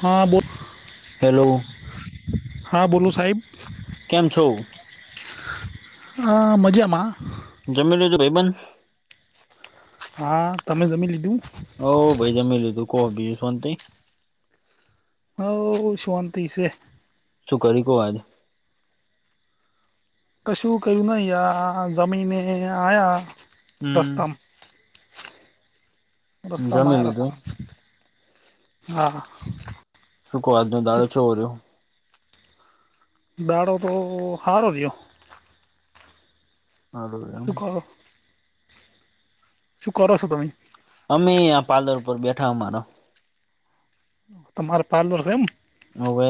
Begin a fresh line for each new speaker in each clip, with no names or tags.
હા બોલ
હેલો
હા બોલો સાહેબ
કેમ છો
અ મજામાં
જમી લીધું ભાઈ બંધ
હા તમે જમી લીધું
ઓ ભાઈ જમી લીઘુ બુજુ કો
એવ શકતી છે.
શુકરીયુ આજે
કશું ક્યું નહી આયા જમીને આયા
હમ
રસ્તામાં રસ્તા
જમી
માયા
લીધું
રસ્તા હા
શું કો આજ નો દાડો
શું
કેવો રહ્યો
દાડો તો હારો રહ્યો શું
[inaudible]
કરો શું કરો છો તમે
અમે આ પાર્લર ઉપર બેઠા અમારા
તમારે પાર્લર છે એમ
અવે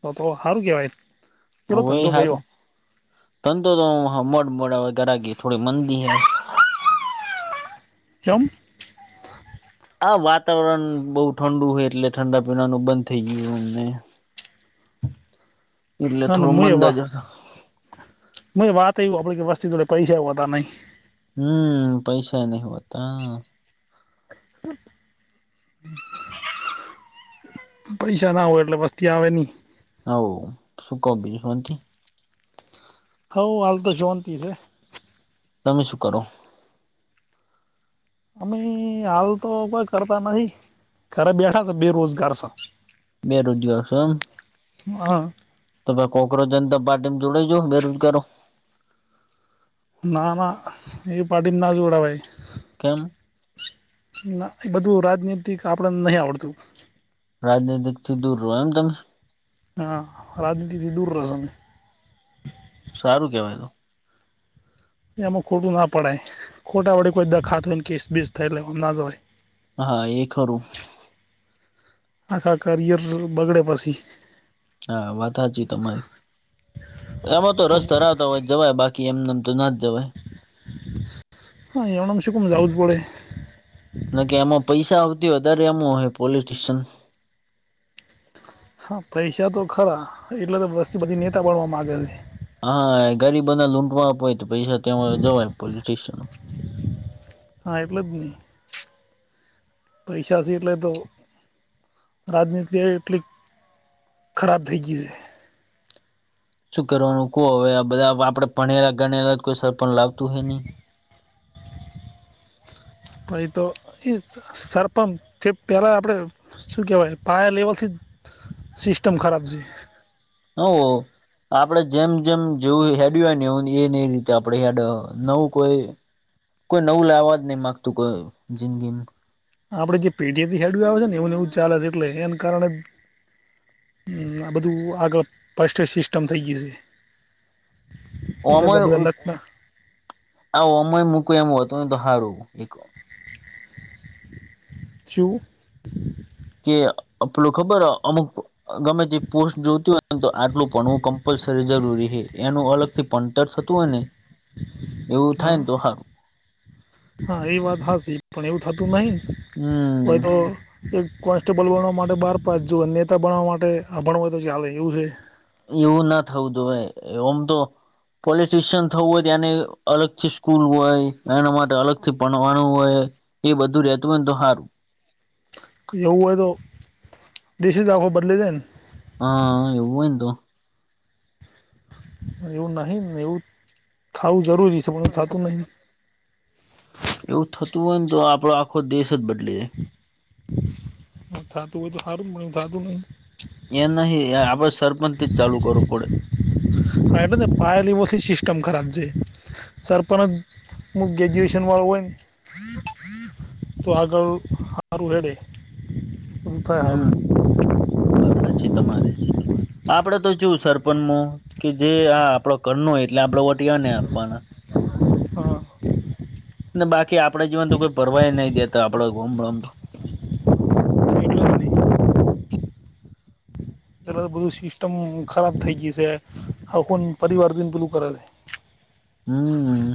તો તો સારું કેવાય
હવે
ધંધો
હારું
કરયો
[unintelligible]
ચમ
આ વાતાવરણ બો ઠંડુ હોય એટલે ઠંડા પીણાનું બંધ થઇ ગયું અમને
[inaudible]
એટલે થોડું મંદા જ
[unintelligible]
હમ પૈસા નઈ હોતા
[inaudible] પૈસા ના હોય એટલે વસ્તી આવે ની
[unintelligible]
[unintelligible]
તમે શું કરો
અમે હાલ તો કઈ કરતા નથી ઘરે બેઠા છે બેરોજગાર સા
બેરોજગાર સો એમ
હા
[unintelligible] કોકરોજ જનતા પાર્ટી જોડાઈ જો બેરોજગારો
ના ના એ પાર્ટીમાં ના જોડાવાય
કેમ
ના એ બધું રાજનેતિક આપડને નહી આવડતું
રાજનૈતિકથી દૂર રહો એમતમે
હા રાજનીતિથી દૂર
સારું કેવાય તો
એમાં ખોટું ના પડાય ખોટા વડે કોઈ દખાત હોય ને કેસ બેસ થય એમ ના જવાય
હા એ ખરું
આખા કરિયરનુ બગડે પછી
હા વાત હાચી તમારી એમાં તો રસ હોય જવાય બાકી એમને એમ તો ના જવાય
હા [unintelligible] જાવું જ પડે
ના કે એમાં પૈસા આવતી વધારે એમ હોય પોલિટશિયન
હા પૈસા તો ખરા એટલે તો બધી નેતા બણવા મામાંગે છે
હા ગરીબો ને લૂંટવા આપ હોય તો પૈસા ત્યા જવાય પોલીસ સ્ટેશન
હા એટલે પૈસે એટલે તો રાજનીતિ એટલી ખરાબ થઈ ગઈ છે
શું કરવાનું કોવો હવે બધા આપડે ભણેલા ગણેલા જ કોઈ સર પણણ લાવતું હોય નહી
પાઈ તો એ સરપંચ છે પહેલાં આપણે શું કહેવાય પાયર લેવલથી જ સિસ્ટમ ખરાબ છે
હવ આપડે જેમ જેમ જેવું હેડ હોય ને એવું એ ન એ રીતે આપડે હેડ નવું કોઈ કોઈ નવું લાવવા જ નહી માગતું કોઈ જિંદગી
આપડે જે પેટી થી હેડવી આવે છે ને એવુંને એવું ચાલે છે એટલે એને કારણે આ બધું આગળ પસ્ટ સિસ્ટમ થઈ ગઈ છે એટલે
ઓમય
તો આ બધા નતના
આ ઓમય મૂક એમ હો ત દહાારું એક
જું
કે પલું ખબર અમુક ગમે તે પોસ્ટ જોતી હોય ને તો આટલું ભણવું કમ્પલસરી જરૂરી છે એનું અલગ થી પટર થતું હોય ને
હ
ઉઠાયને તો હાર
હા એ વાત હા પણ એવું થતું નહી કોય
હમ
તો એક કોન્સ્ટેબલ બણવા માટે બાર પાસ જુ નેતા બણવા માટે ભણવય તો ચાલે એવું છે
એવું ના થવ દું ભવે એમ તો પોલિટિશિયન થવું હોય તો એને અલગ થી સ્કૂલ હોય એના માટે અલગથી ભણવાનું હોય એ બધું ર રહેતું હોયને તો સારું
હય તો દેશ ચ આખો બદલે દેને
હા એવ તો
એવું નહીિ ને એવું થાવું જરૂરી છે પણ હ થતું નહીિ
એવું થતું હોય ને તો આપડો આખો દેશ જ બદલે જાય
હ થતું હોય તો સારું થતું નહીિ
એ નહ આપડે સરપંચ થી જ ચાલુ કરવું પડે
હ એટલે પાય લો મી સિસ્ટેમ ખરાબ છે. સરપંન જ ગ્રેજુએશન વાળું હોય ને. તો આગળ હારું હેડે. બધું થાય સારું
હમ વાત સાચી તમારી. આપડે તો જોવ સરપંચમાં કે જે આ આપડો ઘરનો હોય એટલે આપડ વૉટ અને આપવાના.
હા
બાકી આપડે જીવાન તો કોઈ ભરવાય નહી દેતો આપડો ગમમ તો.
એટલે જ નહીં બધું સિસ્ટમ ખરાબ થઈ ગઈ છે હવે ખોની પરિવાર જોઈ ને પેલું કરે છે.
હમ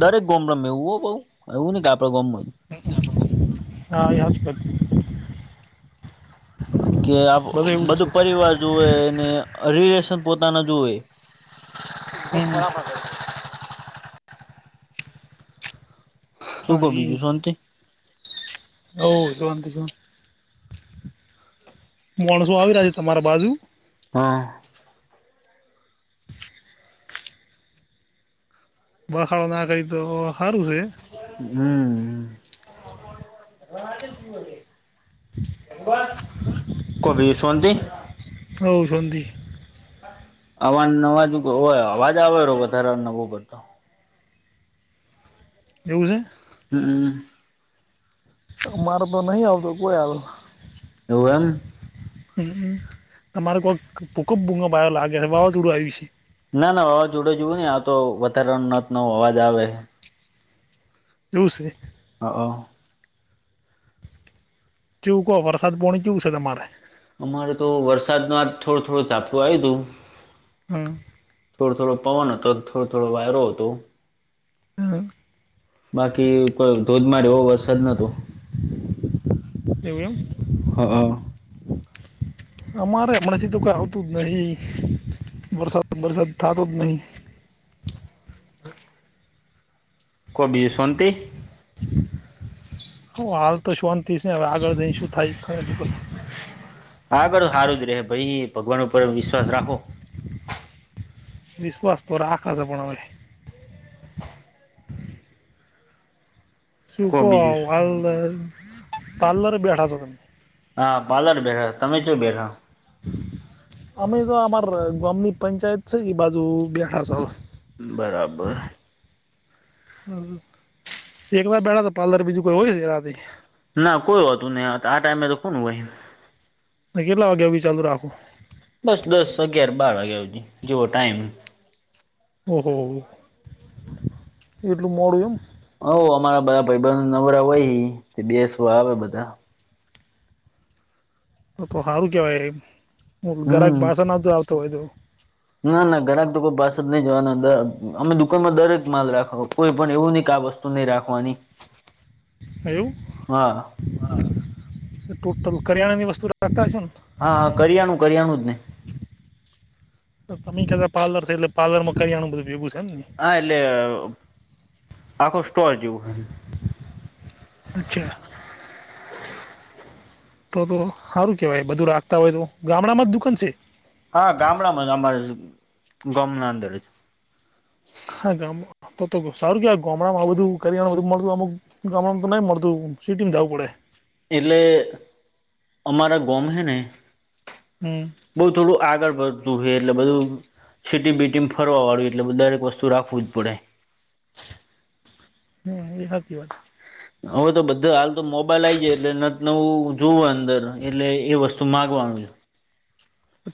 દરેક ગોમડા માં એવું હો બઉ એવું નઈ કે આપડા ગોમમાં જ.
હા એજ કર.
કે આ બધું પરિવાર જોવેએ અને રિલેશન પોતાના જોવે.
હ બરાબર છે.
શું
હા
કો બીજું શોંતી.
હવ શોંતિ જોને. મોણસો આવી રહ્યા છે તમારા બાજુ.
હા.
બખાળો ના કરી તો હારું છે.
હમ હ. કોબી શાંવંતિ?
હોવ શોંતી.
અવા નવાજ હોય અવાજ આવે વધારે નો પડતો.
એવું છે.
હમ.
અ મારે તો નહી આવતો કોઈ હાલ.
હોવે એમ.
હમ તમારે કોક ભૂકપ ભૂકપ આયો લાગે છે વાવાઝોડું આવ્યું છે.
ના ના અવાજ ઉડે જવું નહી આ તો વધારે નત નો અવાજ આવે.
એવું છે.
હહ.
કેવું કહો વરસાદ પોણી કેવું છે તમારે.
અમારે તો વરસાદ નું આ થોડો થોડું ઝાપટું આવ્યું હતું.
હમ.
થોડો થોડો પવન હતો થોડો થોડો વાયરો હતો.
હમ
બાકી કોઈ ધોધમાર એવો વરસાદ નોતો.
એવું એમ.
હ હ.
અમારે હમણાંથી તો કોઈ આવતું જ નહી વરસાદ બરસાદ થતો જ નહીં.
કો બીજું શોંતી.
હ હાલ તો શોંતી સે હવે આગળ જઈ શું થાય ખરી ખબર.
આગળ હારું જ રહે ભઈ ભગવાન ઉપર વિશ્વાસ રાખો.
વિશ્વાસ તો રાખશ પણ હવે.
કો
શુંકો
બીજું
હાલ પાર્લર બેઠા છો તમે.
હા પાર્લર બેઠા તમે ચો બેઠા.
અમે તો અમાર ગામની પંચાયત છે એ બાજુ બેઠા.
બરાબર.
એકલા બેઠા તા પાર્લર બીજું કોઈ હોય છે રાતે.
ના કોઈ હોતું નહી આ ટાઈમે તો કોન હોય.
કેટલા વાગ્યા બી ચાલુ રાખો.
બસ દસ અગિયાર બાર વાગ્યા હુધી જેવો ટાઈમ.
ઓહોહહ એટલું મોડું એમ.
હોવ અમારા બધા ભાઈ બંધો નવરા હોય ઈ બેસવા આવે બધા.
તો તો હારું કહેવાય હું ગરાક
હમ
પાછો નહોતતો આવતો હોય તો.
ના ના ઘરાક તોઈ પાસે જ નહી જવાના અમે દુકાનમાં દરેક માલ રાખો કોઈ પણ એવું નં ક આ વસ્તુ નહી રાખવાની
એવું
હા
ટોટલ કરિયાણાની વસ્તુ રાખતા છો ને
હા હા કરિયાનું કરિયાનું જ નહી
તો તમે કતા પાર્લર છે એટલે પ્લરમાં કરી આનું બધું ભેગું છે ને
હા એટલે આખો સ્ટોર જેવું હ
અચ્છા તો તો સારું કેહેવાય બધું રાખતા હોય તો ગામડામાં જ દુકાન છે.
હા ગામડામાં જ અમારા ગામના અંદર જ
હા ગામ તો સારું ગામડામાં બું કરી બધું મળતુંમક ગામ તો નઈ મળતું સિટી જવું પડે
એટલે અમારા ગમે ને
હમ
બઉુ થોડું આગળ વધતું હ એટલે બધું સીટી બીટી ફરવા વાળું એટલે દરેક વસ્તુ રાખવું જ પડે
[unintelligible] હ એ હાચી વાત
હવે તો બધા હાલ તો મોબાઈલ આવી જાય એટલે ન નવું જોુવું અંદર એટલે એ વસ્તુ માગવાનું છે.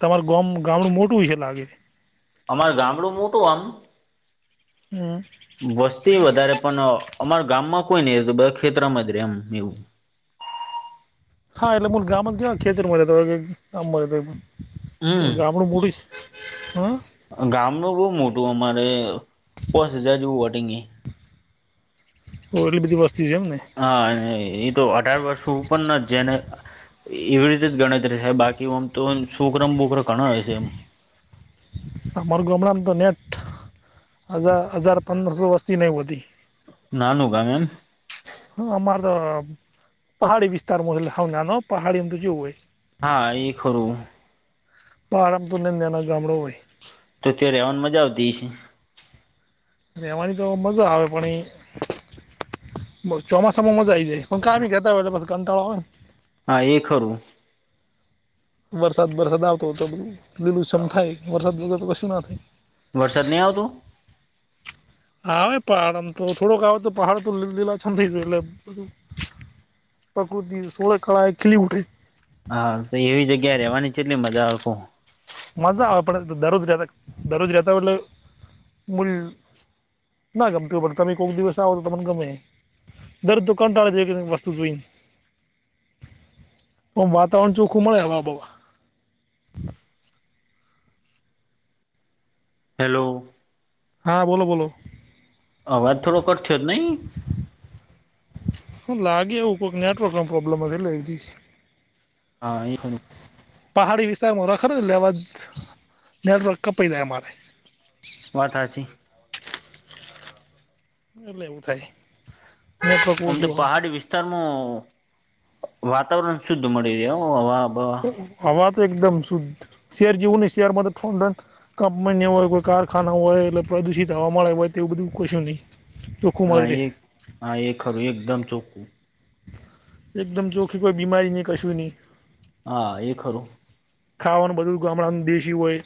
તમારું ગમ ગામડું મોટું છે લાગે
અમાર ગામડું મોટું આમ
હમ
વસ્તી વધારે પણ અમારા ગામમાં કોઈ નઈ તો બે ખેતરમાં જ રેમ એવું
હા એટલે મું ગામમાં ક ખેતર મળામ
હમ
ગામડું મૂડીશ હ
ગામ ન બહુ મોટું અમારે પોસ હજાર જેવું વોટિંગ એ
ઓ એટલી બધી વસ્તી છેમ ને
હા એ તો અઢાર વર્ષું ઉપ જેને એવી રીતે જ ગણતરી છે બાકી આમ તો શુક્રમ બુકરો ઘણા હોય છે એમ
આ મારગું હમણાંને તો નેટ હજાર હજાર પંદરસો વસ્તી નહીં હોતી
નાનુગા મેમ
હ અમારે તો પહાડી વિસ્તારમાં હાવના ન પહાડીમ તો જોવું હોય
હા એ ખરું
પારમ તુને દેના ગામડ હોય
તો ત્યાં રહેવાની મજા આવતી છે.
રહેવાની તો મજા આવે પણ એ ચોમાસામાં મજા આવી જાય પણ કામ બી કેતા વટ બસ કંટાળો
હા એ ખરું
વરસાદ વરસાદ આવતો તો બધું લીલું કમ થાય વરસાદ વરસ તો કશું ના થાય
વરસાદ નહી આવતો
હા પહાડમ તો થોડોક આવે તો પહાડ તો લી લીલા છ થ એટલે બધું પ્રકૃતિ સોળ કળ ખીલી ઉઠે
હા તો એવી જગ્યા રવાની કેટલી મજા આવ
મજા આવે પણ દરરોજ રહેતા દરરોજ રહેતા વલો મૂલ ના ગમતી ખબર તમે કોઈક દિવસ આવો તો તમને ગમે દર દુકાનટાળ જે બી હોય વસ્તુ જોઈને પણ વાતાવરણ ચોખ્ખું મળે હવા બવા.
હેલો.
હા, બોલો બોલો.
અવાજ થોડો કટ થ્યો નહી?
હું, લાગે એવું કોક નેટવર્ક મા પ્રોબ્લેમ હશે, એટલે ઇજીસી
હા એ ખ
પહાડી વિસ્તારમાં રખર લેવા નનેડ ર કપઈાય મારે
વાથ છે
એ લવું થાય નેટવર્ક
આમ તો
ઓછું
પહાડી વિસ્તાર તારમ વાતાવરણ શુદ્ધ મળી દ હવા
હવા તો એકદમ શુદ્ધ શેર જીવું નહી શેરમાં થઠોંન કંપન હોય કોઈ કારખાના હોય એટલે પ્રદૂષિત હવા મળે હોય તેવું બધું કશું નહીં ચોખ્ખું મળી
હા
રહે
એ હા એ ખર એકદમ ચોખ્ખું
એકદમ ચોખી કોઈ બીમારી નહીં કશું નહીં
હા એ ખરું
ખાવાનું બધું ગામડાનું દેશી હોય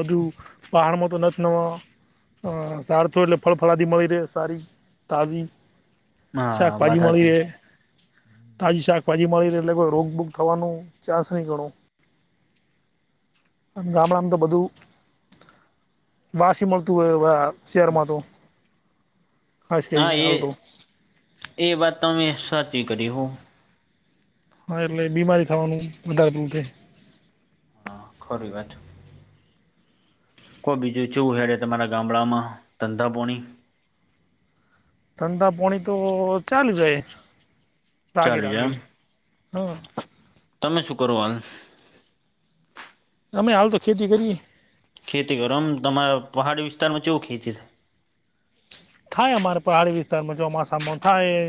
બધું પહાડમાં તો નથી ન સારથો એટલે ફળ ફળાથી મળી રહે સારી તાજી સાખ
હા વાત હાચી
પંજજીમાળીરે તાજી શાકભાજી મળી રહે એટલે કોઈ રોગ બોગ થવાનું ચાન્સ નહીં ઘણું ગામડામાં તો બધું વાસી મળતું હોય એવા શરમાં તો ખાસ
હા
કરીને
એ
હાલ તો
એ વાત તમે સાચી કરી હો
હા એટલે બીમારી થવાનું વધારેલું છે
ખોર વા કોઈ બીજું ચું હયાર તમારા ગામડામાં ધંધાપોણી
ધઠંધા પાણી તો ચાલુ જાય રાગે
ચાલુ છે
રાગી
એમ
હમ
તમે શું કરો હાલ
દમમે હાલતો તો ખેતી કરી
ખેતી કરો આમ તમારા પહાડી વિસ્તારમાં કેવું ખેતી થાય
થાય અમારે પહાડી વિસ્તારમાં ચોમાસામાં થાય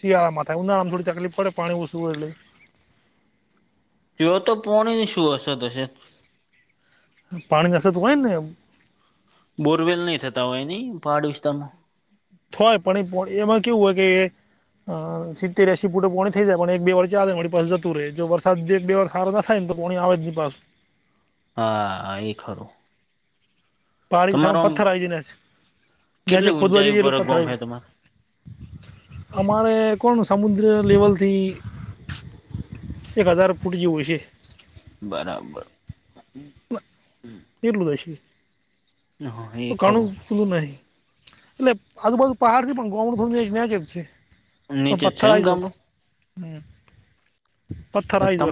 શિયાળા થાય ઉનાળામાં થડી તકફ પડે પાણી ઓછુંય એટલે
જો તો પોણી ની શું અસર હશે
પાણી જ અસર તોય ને
બોરવેલ નહી થતા હોય નની પહાડ વિસ્તારમાં
થય પણ એ એમાં કેવું હોય કે અ સિત્તેર્યાસી ફૂટ પ પોર્ણ થઈ જાય પણ એક બે વરથી આગંદવાડી પાસે જતું રહેે જો વરસાદ એક બે વાર ાર ના થાયને તો કોણી આવે જની પા
હા એ ખરું
પાડી સામે
તમારો આમ
પથ્થર આવી જાય નેચ નેચે
કેટલી
કોુદવા
ઊંચાઈ
જઈટ
ઉપર
પથ્થર
ગોમ
આવી
હે
ગાય
તમારે
અમારે કોણ સમુદ્ર લેવલથી એક હજાર ફૂટ જેવું છે
બરાબર
પટ લું દશી
હ એ
તો કાણું
ખરું
પલું નહી એટલે આજુબાજુ પહાડથી પણ ઘઉંનું થોડું નં એક ન્યાક જ છે પણ
નીચે જ છે
પથ્થર
એમ
આવી જા
ગામડું
હમ પથર આવી જ
તમા